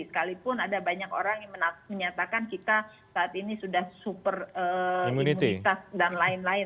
sekalipun ada banyak orang yang menyatakan kita saat ini sudah super imunitas dan lain lain